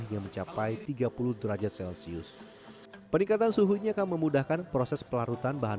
yang mencapai tiga puluh derajat celcius peningkatan suhunya akan memudahkan proses pelarutan bahan